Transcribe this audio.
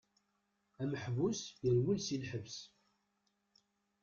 Ameḥbus yerwel si lḥebs.